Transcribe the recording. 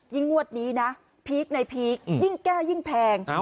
งวดนี้นะพีคในพีคยิ่งแก้ยิ่งแพง